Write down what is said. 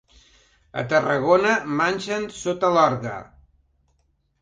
A Tarragona manxen sota l'orgue.